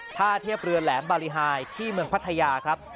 ท่าเทียบเรือแหลมบาริหายที่เมืองพัทยาครับ